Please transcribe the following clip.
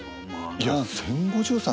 いや１，０５３